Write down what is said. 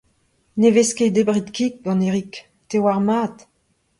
Ne vez ket debret kig gant Erik, te a oar mat.